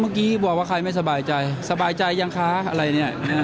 เมื่อกี้บอกว่าใครไม่สบายใจสบายใจยังคะอะไรเนี่ย